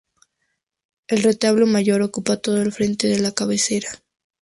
El retablo mayor ocupa todo el frente de la cabecera.